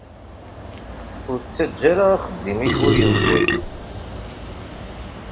Ur ttaǧǧa ara axeddim-ik ur yeẓẓi.